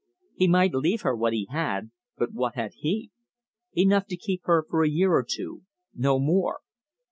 He might leave her what he had but what had he? Enough to keep her for a year or two no more.